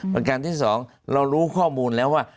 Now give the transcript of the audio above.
ประการที่๒เรารู้ข้อมูลแล้วว่า